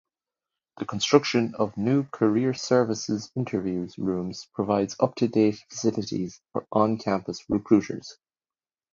The construction of new career services interview rooms provides up-to-date facilities for on-campus recruiters.